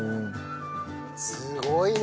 すごいな！